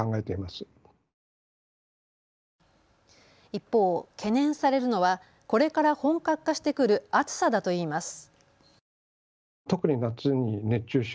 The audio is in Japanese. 一方、懸念されるのはこれから本格化してくる暑さだといいます。